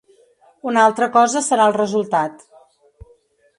Una altra cosa serà el resultat.